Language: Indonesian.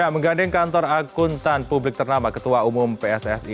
menggandeng kantor akuntan publik ternama ketua umum pssi